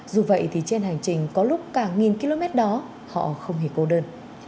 dù vậy thì trên hành trình có lúc cả nghìn km đó họ không hề cô đơn